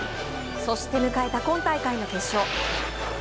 そして迎えた今大会の決勝。